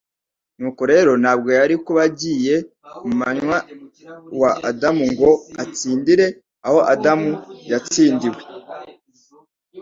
Nuko rero ntabwo yari kuba agiye mu mwanya wa Adamu ngo atsindire aho Adamu yatsindiwe.